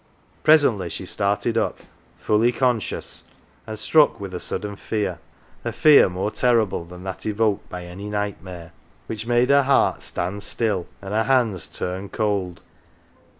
Presently she started vip, fully conscious and struck with a sudden fear a fear more terrible than that evoked by any nightmare which made her heart stand still and her hands turn cold.